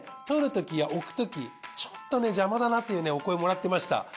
取るときや置くときちょっとね邪魔だなというねお声をもらっていました。